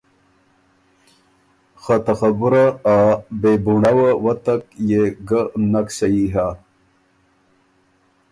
خه ته خبُره ا بې بُونړؤه وتک يې ګه نک سهی هۀ۔